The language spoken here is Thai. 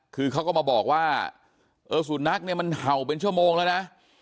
คือเขาก็มาบอกว่าเออสุนัขเนี่ยมันเห่าเป็นชั่วโมงแล้วนะ